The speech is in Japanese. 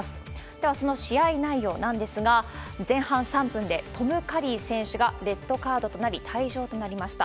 ではその試合内容なんですが、前半３分でトム・カリー選手がレッドカードとなり退場となりました。